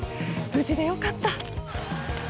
無事でよかった。